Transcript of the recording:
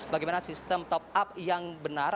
bagaimana sistem top up yang benar